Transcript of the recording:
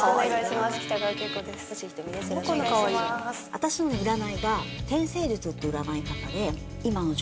私の占いが天星術っていう占い方で今の状態